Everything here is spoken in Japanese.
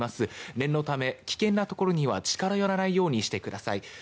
念のため、危険なところは近寄らないようにしてください。